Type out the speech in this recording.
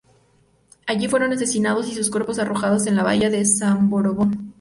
Allí fueron asesinados y sus cuerpos arrojados en la bahía de Samborombón.